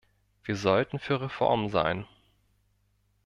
Wir sollten für Reformen sein.